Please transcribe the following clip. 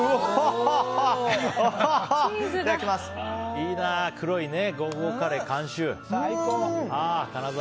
いいな、ゴーゴーカレー監修。